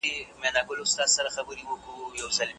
د خدای په یووالي یقین ولرئ.